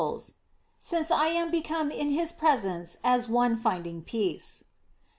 GLORIES OF MABTC "Since I am become in his presence as one find* ing peace."